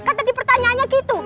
kan tadi pertanyaannya gitu